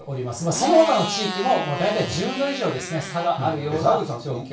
そのほかの地域も大体１０度以上ですね、差があるような状況。